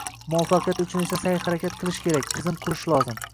muvaffaqiyat uchun esa sa’y-harakat qilish kerak, tizim qurish lozim.